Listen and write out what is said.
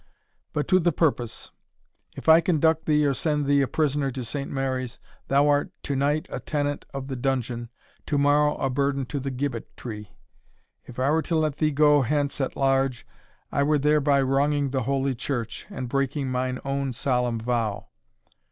But to the purpose. If I conduct thee or send thee a prisoner to St. Mary's, thou art to night a tenant of the dungeon, to morrow a burden to the gibbet tree. If I were to let thee go hence at large, I were thereby wronging the Holy Church, and breaking mine own solemn vow.